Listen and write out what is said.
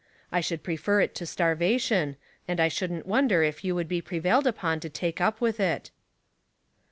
" I should prefer it to starvation, and I shouldn't wonder if you would be prevailed upon to take up with it."